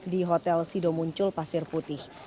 di hotel sido muncul pasir putih